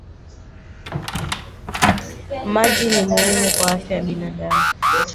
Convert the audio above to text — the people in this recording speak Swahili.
Maji ni muhimu kwa afya ya binadamu